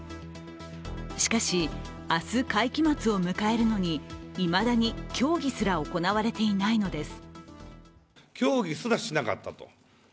しかし、明日会期末を迎えるのにいまだに協議すら行われていないのです。